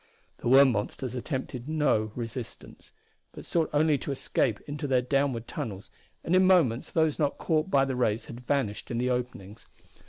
The worm monsters attempted no resistance, but sought only to escape into their downward tunnels, and in moments those not caught by the rays had vanished in the openings.